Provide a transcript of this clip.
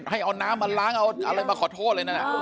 ให้เอาน้ำมาล้างเอาอะไรมาขอโทษเลยนั่น